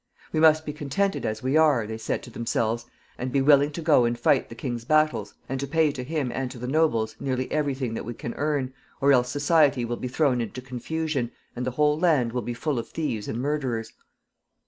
We must be contented as we are, they said to themselves, and be willing to go and fight the king's battles, and to pay to him and to the nobles nearly every thing that we can earn, or else society will be thrown into confusion, and the whole land will be full of thieves and murderers.